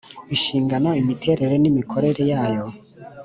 inshingano imiterere n imikorere yayo